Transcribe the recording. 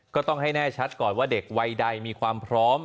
ก็ต้องให้แน่ชัดก่อนว่าเด็กวัยใดมีความพร้อม